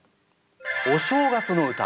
「お正月」の歌。